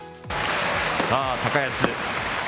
さあ、高安。